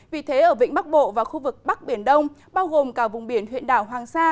vì thế ở vịnh bắc bộ và khu vực bắc biển đông bao gồm cả vùng biển huyện đảo hoàng sa